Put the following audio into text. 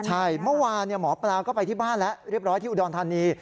ใช่เมื่อวานหมอปลาก็ไปที่บ้านแล้วเรียบร้อยที่อุดรธานี